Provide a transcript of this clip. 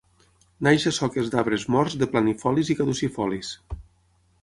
Neix a soques d'arbres morts de planifolis i caducifolis.